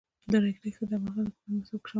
د ریګ دښتې د افغانستان د پوهنې نصاب کې شامل دي.